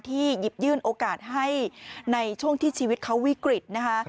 หยิบยื่นโอกาสให้ในช่วงที่ชีวิตเขาวิกฤตนะคะ